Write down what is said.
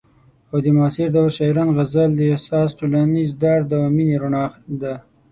او د معاصر دور شاعرانو غزل د احساس، ټولنیز درد او مینې رڼا ده.